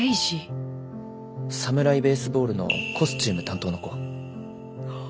「サムライ・ベースボール」のコスチューム担当の子。